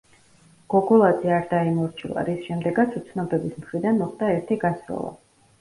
გოგოლაძე არ დაემორჩილა, რის შემდეგაც უცნობების მხრიდან მოხდა ერთი გასროლა.